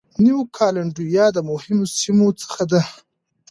نیو کالېډونیا د مهمو سیمو څخه ده.